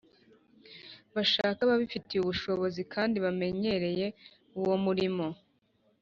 Bashake ababifitiye ubushobozi kandi bamenyereye uwo murimo